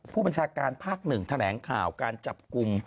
ผู้บัญชาการภาค๑แถลงข่าวการจับกลุ่ม